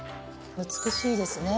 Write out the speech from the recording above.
美しいですね